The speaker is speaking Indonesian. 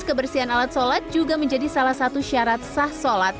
kebersihan alat sholat juga menjadi salah satu syarat sah sholat